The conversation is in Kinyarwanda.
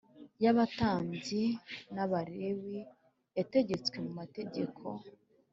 y abatambyi n Abalewi yategetswe mu mategeko